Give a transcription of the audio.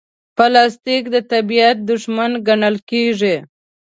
پلاستيک د طبیعت دښمن ګڼل کېږي.